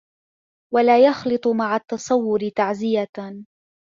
وَلَا يَخْلِطُ مَعَ التَّصَوُّرِ تَعْزِيَةً